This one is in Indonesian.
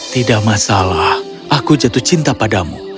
tidak masalah aku jatuh cinta padamu